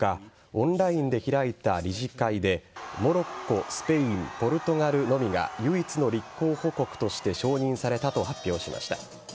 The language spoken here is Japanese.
オンラインで開いた理事会でモロッコ、スペインポルトガルのみが唯一の立候補国として承認されたと発表しました。